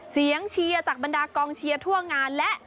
เชียร์จากบรรดากองเชียร์ทั่วงานและ